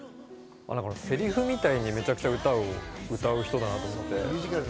セリフみたいに、めちゃくちゃ歌を歌う人だなと思って。